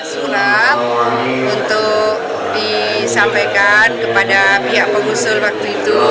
sulap untuk disampaikan kepada pihak pengusul waktu itu